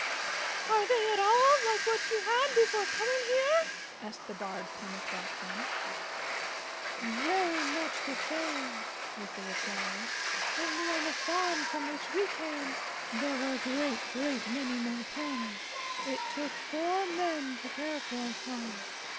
"Are they at all like what you had before coming here?" asked the Barred Plymouth Rock Hen. "Very much the same," was the reply. "Only on the farm from which we came there were a great, great many more pens. It took four Men to care for us all.